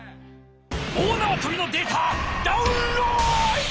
大なわとびのデータダウンロード！